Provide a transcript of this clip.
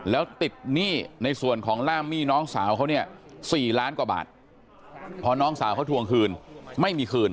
แล้วติดหนี้ในส่วนของล่ามมี่น้องสาวเขาเนี่ย๔ล้านกว่าบาทพอน้องสาวเขาทวงคืนไม่มีคืน